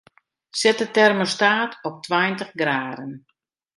Set de termostaat op tweintich graden.